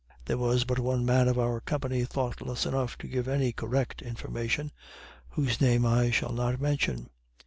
There was but one man of our company thoughtless enough to give any correct information, whose name I shall not mention.